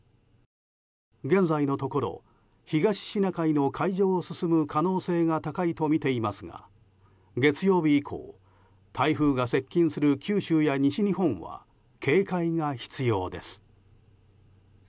現在のところ東シナ海の海上を進む可能性が高いとみていますが月曜日以降台風が接近する九州や西日本は警戒が必要です。